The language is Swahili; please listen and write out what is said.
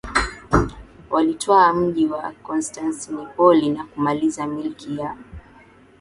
walitwaa mji wa Konstantinopoli na kumaliza Milki ya